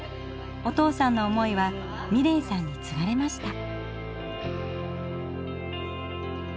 お父さんの思いは美礼さんにつがれました。